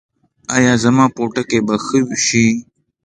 ایا زما پوټکی به ښه شي؟